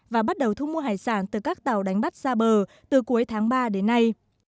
và bắt đầu thu mua hải sản từ các tàu đánh bắt ra bờ từ cuối tháng ba đến nay